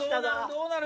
どうなる？